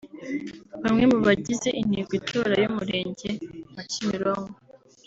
Bamwe mu bagize intego itora y’umurenge wa Kimironko